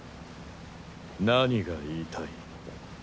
何が言いたい？